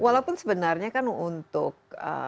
walaupun sebenarnya kan untuk